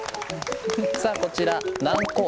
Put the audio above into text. さあこちら楠公